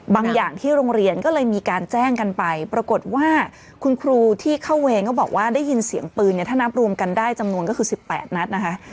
อย่างที่โรงเรียนก็เลยมีการแจ้งกันไปปรากฏว่าคุณครูที่เข้าเวรก็บอกว่าได้ยินเสียงปืนเนี่ยถ้านับรวมกันได้จำนวนก็คือ๑๘นัดนะคะ